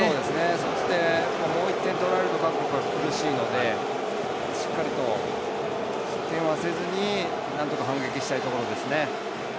そしてもう１点、取られると韓国は苦しいのでしっかりと失点はせずになんとか反撃したいところですね。